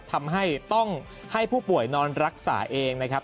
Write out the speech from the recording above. ทำให้ต้องให้ผู้ป่วยนอนรักษาเองนะครับ